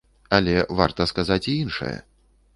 Але варта сказаць і іншае.